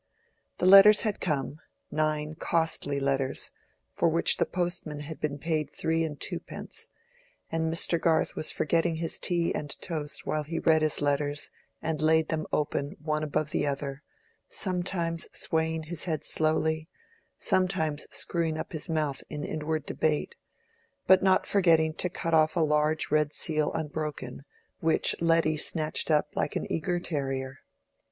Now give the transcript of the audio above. The letters had come—nine costly letters, for which the postman had been paid three and twopence, and Mr. Garth was forgetting his tea and toast while he read his letters and laid them open one above the other, sometimes swaying his head slowly, sometimes screwing up his mouth in inward debate, but not forgetting to cut off a large red seal unbroken, which Letty snatched up like an eager terrier.